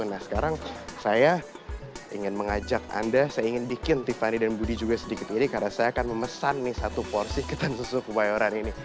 nah sekarang saya ingin mengajak anda saya ingin bikin tiffany dan budi juga sedikit ini karena saya akan memesan nih satu porsi ketan susu kebayoran ini